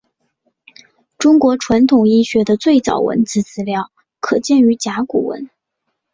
中国传统医学的最早文字资料可见于甲骨文。